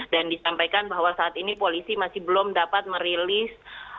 dan disampaikan bahwa saat ini polisi masih belum dapat merilis